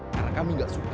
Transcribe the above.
karena kami gak suka